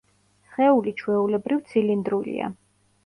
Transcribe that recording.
სხეული, ჩვეულებრივ, ცილინდრულია.